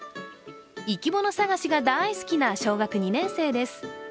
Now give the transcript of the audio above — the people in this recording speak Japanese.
生き物探しが大好きな小学２年生です。